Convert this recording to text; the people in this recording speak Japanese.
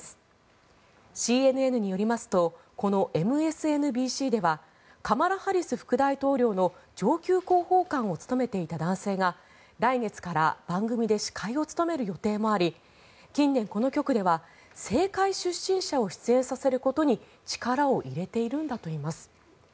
ＣＮＮによりますとこのＭＳＮＢＣはカマラ・ハリス副大統領の上級広報官を務めていた男性が来月から番組で司会を務める予定があり近年この局では政界出身者を出演させることに力を入れているんだといいます。